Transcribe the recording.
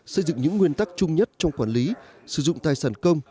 xây dựng những nguyên tắc chung nhất trong quản lý sử dụng tài sản công